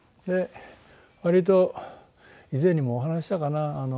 割と以前にもお話ししたかな？